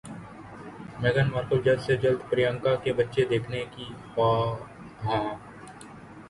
میگھن Markle جلد سے جلد پریانکا کے بچے دیکھنے کی خواہاں